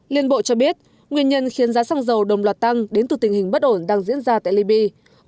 liên bộ cho biết nguyên nhân khiến giá xăng dầu đồng loạt tăng đến từ tình hình bất ổn đang diễn ra tại liby